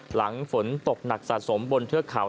หลังฝนตกหนักสะสมบนเทือกเขา